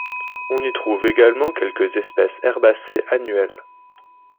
On y trouve également quelques espèces herbacées annuelles.